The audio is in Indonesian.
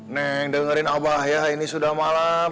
neng dengerin abah ya ini sudah malam